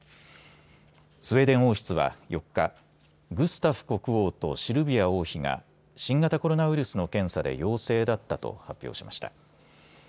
スウェーデン王室は４日、グスタフ国王とシルビア王妃が新型コロナウイルスの検査で陽性だったと発表しました。